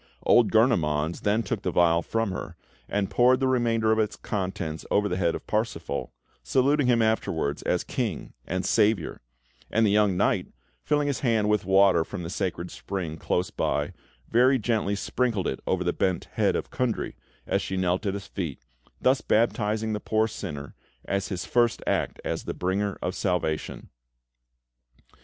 Old Gurnemanz then took the vial from her, and poured the remainder of its contents over the head of Parsifal, saluting him afterwards as King and Saviour; and the young knight, filling his hand with water from the sacred spring close by, very gently sprinkled it over the bent head of Kundry, as she knelt at his feet, thus baptising the poor sinner as his first act as the bringer of Salvation.